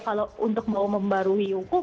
kalau untuk mau membarui hukum